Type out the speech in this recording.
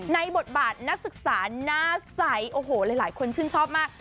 บทบาทนักศึกษาหน้าใสโอ้โหหลายคนชื่นชอบมาก